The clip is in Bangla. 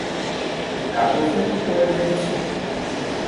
কাগজে তো পড়ে দেখেছ।